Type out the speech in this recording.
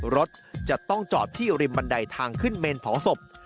รถจะต้องจอดที่ริมบันไดทางขึ้นเมนเผาศพ